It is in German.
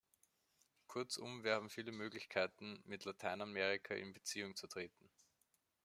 Kurzum, wir haben viele Möglichkeiten, mit Lateinamerika in Beziehung zu treten.